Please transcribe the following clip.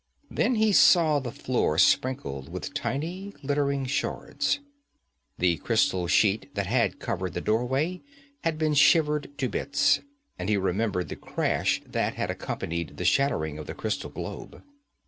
Then he saw the floor sprinkled with tiny, glittering shards. The crystal sheet that had covered the doorway had been shivered to bits, and he remembered the crash that had accompanied the shattering of the crystal globe.